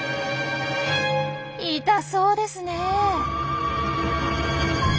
痛そうですね！